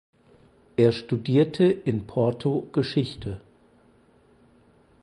Er studierte in Porto Geschichte.